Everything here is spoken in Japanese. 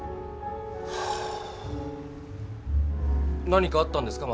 何かあったんですか？